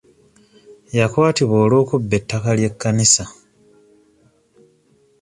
Yakwatibwa olw'okubba ettaka ly'ekkanisa.